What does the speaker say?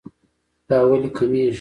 دا ولې کميږي